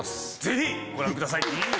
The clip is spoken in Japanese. ぜひご覧ください！